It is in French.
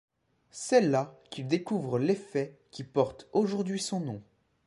C'est là qu'il découvre l'effet qui porte aujourd'hui son nom.